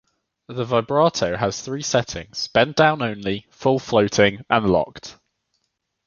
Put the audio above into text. The vibrato has three settings; bend down only, full floating and locked.